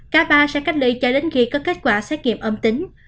cả ba sẽ cách ly cho đến khi có kết quả xét nghiệm âm tính